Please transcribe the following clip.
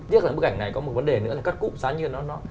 tiếc là bức ảnh này có một vấn đề nữa là cắt cụm sáng như nó